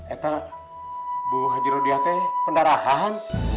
eta bu haji rodiate pendarahan